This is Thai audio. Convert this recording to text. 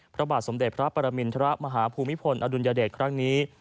พระบาทสมเด็จพระปรมินทรมาฮภูมิพลอดุลยเดชครั้งนี้